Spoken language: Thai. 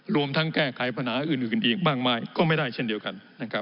รวมทั้งแก้ไขปัญหาอื่นอีกมากมายก็ไม่ได้เช่นเดียวกันนะครับ